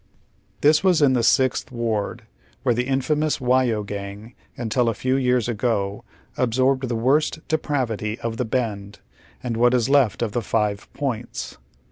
This was in the Sixth Ward, wiiei'e the infamous Whyo Gang until a few years ago absorbed the worst depravity of the Bend and what is left of the Five Points.